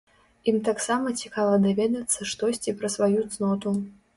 Ім таксама цікава даведацца штосьці пра сваю цноту.